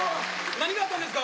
何があったんですか？